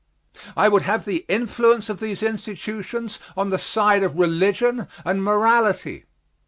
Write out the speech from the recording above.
I would have the influence of these institutions on the side of religion and morality.